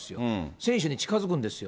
選手に近づくんですよ。